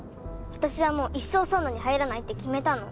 私はもう一生サウナに入らないって決めたの。